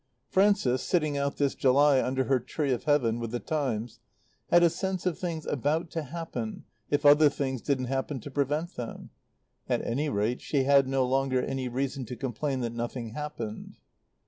Frances, sitting out this July under her tree of Heaven with the Times, had a sense of things about to happen if other things didn't happen to prevent them. At any rate she had no longer any reason to complain that nothing happened.